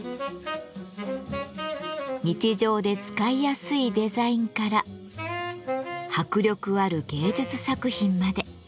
日常で使いやすいデザインから迫力ある芸術作品まで。